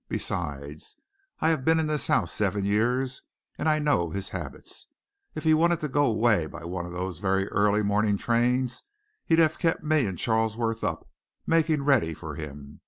Besides, I've been in this house seven years, and I know his habits. If he'd wanted to go away by one of the very early morning trains he'd have kept me and Charlesworth up, making ready for him.